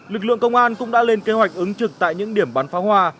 lực lượng công an cũng đã lên kế hoạch ứng trực tại những điểm bán pháo hoa